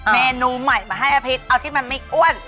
เมนูใหม่มาให้อภิษเอาที่มันไม่อ้วน